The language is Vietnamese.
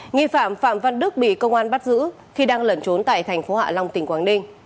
nghi phạm phạm văn đức bị công an bắt giữ khi đang lẩn trốn tại thành phố hạ long tỉnh quảng ninh